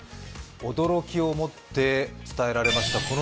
驚きを持って伝えられました、この」